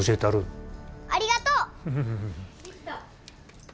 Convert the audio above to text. ありがとう！